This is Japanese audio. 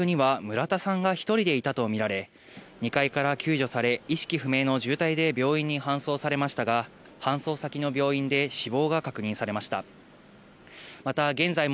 当時、自宅には村田さんが１人でいたとみられ、２階から救助され、意識不明の重体で病院に搬送されましたが、搬送先の病院で死亡が確認されました。